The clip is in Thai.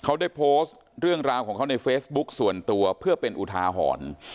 เขาได้โพสต์เรื่องราวของเขาในเฟซบุ๊คส่วนตัวเพื่อเป็นอุทาหรณ์